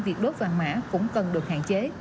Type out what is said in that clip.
việc đốt vàng mã cũng cần được hạn chế